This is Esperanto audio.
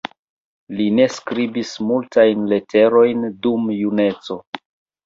Li ne skribis multajn leterojn dum juneco.